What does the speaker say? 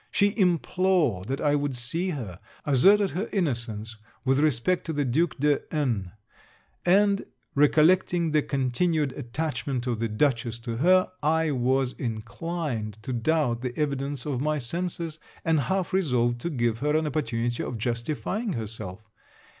She implored that I would see her; asserted her innocence with respect to the Duke de N ; and, recollecting the continued attachment of the Dutchess to her, I was inclined to doubt the evidence of my senses, and half resolved to give her an opportunity of justifying herself.